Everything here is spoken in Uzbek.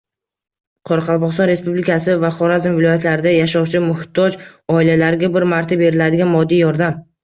Qoraqalpog‘iston Respublikasi va Xorazm viloyatlarida yashovchi muhtoj oilalarga bir marta beriladigan moddiy yordam